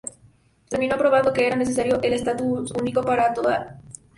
Se terminó aprobando que era necesario un Estatuto único para toda el País Vasco.